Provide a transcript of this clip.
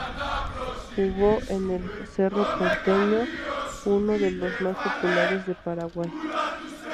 Jugó en el Cerro Porteño, uno de los más populares de Paraguay.